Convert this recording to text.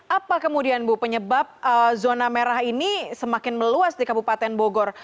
apa kemudian bu penyebab zona merah ini semakin meluas di kabupaten bogor